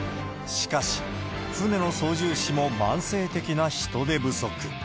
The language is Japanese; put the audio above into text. しかし、船の操縦士も慢性的な人手不足。